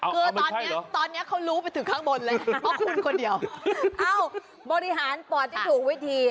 คือตอนเนี้ยเค้ารู้ไปถึงข้างบนเลย